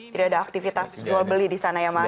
tidak ada aktivitas jual beli di sana ya mas